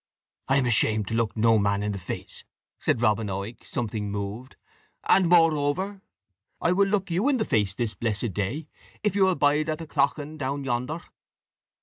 "I am ashamed to look no man in the face," said Robin Oig, something moved; "and, moreover, I will look you in the face this blessed day, if you will bide at the clachan down yonder."